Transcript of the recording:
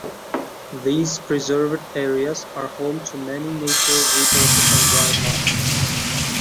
These preserved areas are home to many natural resources and wildlife.